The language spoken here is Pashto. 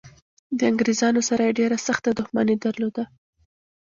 د انګریزانو سره یې ډېره سخته دښمني درلوده.